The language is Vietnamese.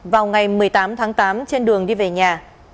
vào ngày một mươi tám tháng tám trên đường đi về nhà